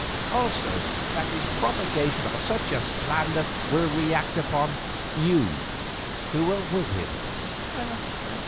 Also, that his propagation of such a slander will react upon you, who were with him."